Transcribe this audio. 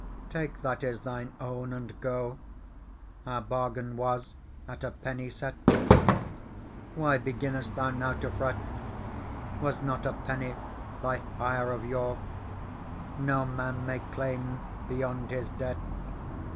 Take that is thine own and go : Our bargain was at a penny set. Why beginnest thou now to fret ? Was not a penny thy hire of yore ? No man may claim beyond his debt.